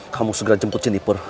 kamu segera jemput jeniper